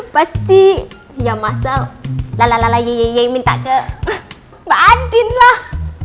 pasti ya mas al lalalalaiyayayay minta ke mbak andin lah